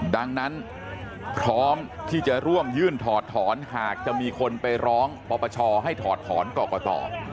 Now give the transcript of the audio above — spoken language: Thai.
ดังนั้นพร้อมที่จะร่วมยื่นถอดถอนหากจะมีคนไปร้องปปชให้ถอดถอนกรกต